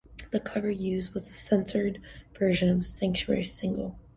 The cover used was the censored version of the "Sanctuary" single.